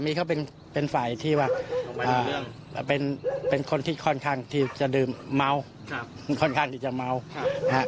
กินเลือดกบหมดเลือดค่อนข้างแห้งเลือดค่อนข้างแห้ง